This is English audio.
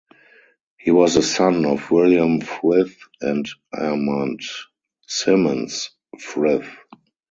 He was the son of William Frith and Amand (Simmons) Frith.